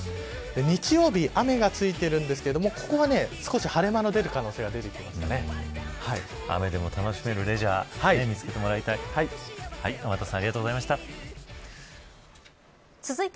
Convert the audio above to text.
日曜日、雨がついているんですがここは少し晴れ間の出る雨でも楽しめるレジャーを見つけてもらいたい。